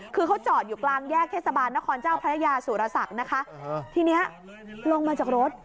คือเขาจอดอยู่กลางแยกเทศบาลนครเจ้าพระยาสุรศักดิ์นะคะทีนี้ลงมาจากรถ